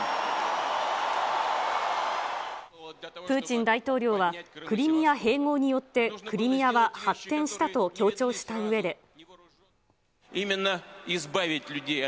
プーチン大統領は、クリミア併合によってクリミアは発展したと強調したうえで。